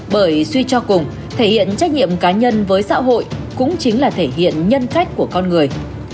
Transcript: bởi suy cho cùng thể hiện trách nhiệm cá nhân với xã hội cũng chính là thể hiện nhân cách của con người